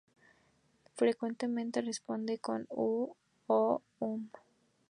Frecuentemente responde con "Oh" y con "Um".